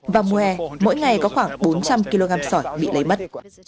vào mùa hè mỗi ngày có khoảng bốn trăm linh kg sỏi bị lấy mất